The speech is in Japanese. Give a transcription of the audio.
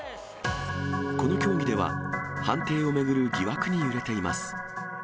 この競技では、判定を巡る疑惑に揺れています。